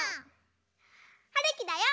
はるきだよ。